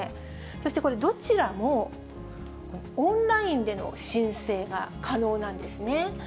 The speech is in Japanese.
そしてこれ、どちらもオンラインでの申請が可能なんですね。